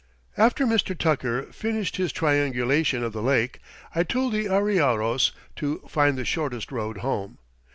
After Mr. Tucker finished his triangulation of the lake I told the arrieros to find the shortest road home.